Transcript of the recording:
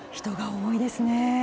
人が多いですね。